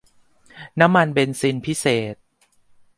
น้ำมันเบนซินพิเศษ